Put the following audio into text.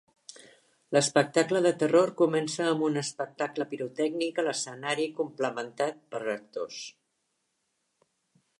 L'espectacle de terror comença amb un espectacle pirotècnic a l'escenari complementat per actors.